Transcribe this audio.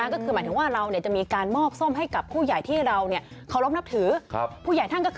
ก็คือหมายถึงว่าเราเนี่ยจะมีการมอบส้มให้กับผู้ใหญ่ที่เราเนี่ยเคารพนับถือครับ